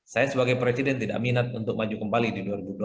saya sebagai presiden tidak minat untuk maju kembali di dua ribu dua puluh